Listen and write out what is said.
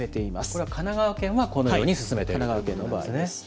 これは神奈川県はこのように勧めているということですね。